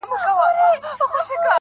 مثبت فکر ذهن روښانوي.